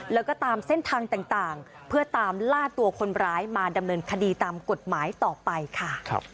แล้วก็ตามเส้นทางต่างเพื่อตามล่าตัวคนร้ายมาดำเนินคดีตามกฎหมายต่อไปค่ะ